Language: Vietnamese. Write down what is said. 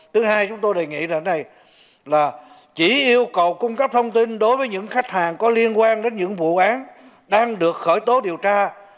thứ hai chúng tôi đề nghị là này là chỉ yêu cầu cung cấp thông tin đối với những khách hàng có liên quan đến những vụ án đang được khởi tố điều tra